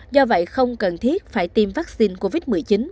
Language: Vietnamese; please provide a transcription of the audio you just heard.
do vậy không cần thiết phải tiêm vaccine covid một mươi chín